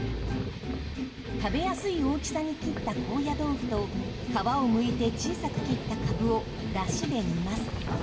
食べやすい大きさに切った高野豆腐と皮をむいて小さく切ったかぶをだしで煮ます。